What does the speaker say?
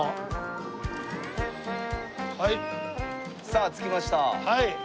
さあ着きました。